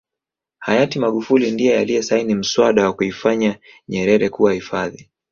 hayati magufuli ndiye aliyesaini mswada wa kuifanya nyerere kuwa hifadhi